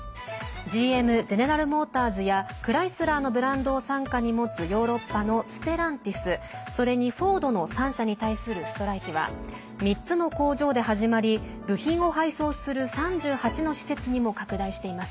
ＧＭ＝ゼネラル・モーターズやクライスラーのブランドを傘下に持つヨーロッパのステランティスそれにフォードの３社に対するストライキは３つの工場で始まり部品を配送する３８の施設にも拡大しています。